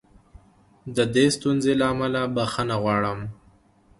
د دې ستونزې له امله بښنه غواړم.